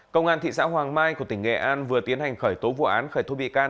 công an thị xã hoàng mai của tỉnh nghệ an vừa tiến hành khởi tố vụ án khởi thu bị can